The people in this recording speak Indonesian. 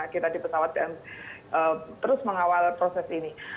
kita di pesawat dan terus mengawal proses ini